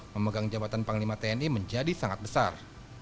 memegang jabatan panglima tni menjadi sangat besar